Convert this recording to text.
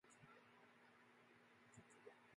pick it up and handle the actual publishing